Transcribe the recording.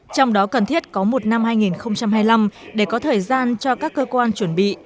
trong đó cần thiết có một năm hai nghìn hai mươi năm để có thời gian cho các cơ quan chuẩn bị